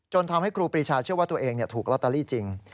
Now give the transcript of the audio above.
ทำให้ครูปรีชาเชื่อว่าตัวเองถูกลอตเตอรี่จริง